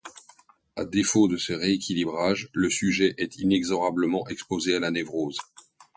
A défaut de ce rééquilibrage, le sujet est inexorablement exposé à la névrose.